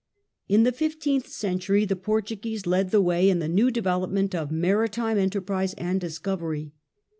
In the fifteenth century the Portuguese led the way in the new development of maritime enterprise and discovery.